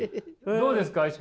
どうですか？